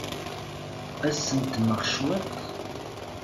Ad sentmeɣ cwiṭ.